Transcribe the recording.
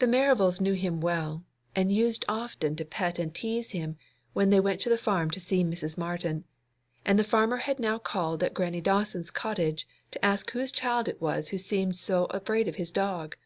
The Merivals knew him well, and used often to pet and tease him when they went to the farm to see Mrs. Martin, and the farmer had now called at Grannie Dawson's cottage to ask whose child it was who seemed so afraid of his dog.